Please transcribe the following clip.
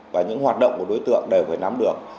và những hoạt động của đối tượng đều phải nắm được